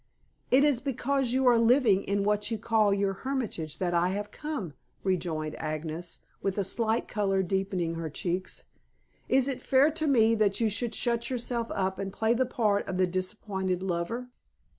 "It is because you are living in what you call your hermitage that I have come," rejoined Agnes, with a slight color deepening her cheeks. "Is it fair to me that you should shut yourself up and play the part of the disappointed lover?"